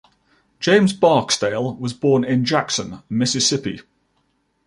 James Barksdale was born in Jackson, Mississippi.